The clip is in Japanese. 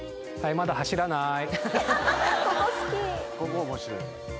まだ走らない。